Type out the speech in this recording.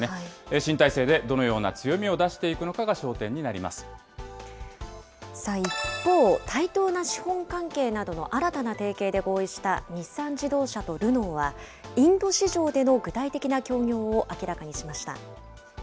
新体制でどのような強みを出して一方、対等な資本関係などの新たな提携で合意した、日産自動車とルノーは、インド市場での具体的な協業を明らかにしました。